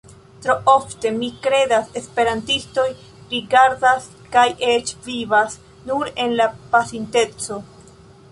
Tro ofte, mi kredas, esperantistoj rigardas kaj eĉ vivas nur en la pasinteco.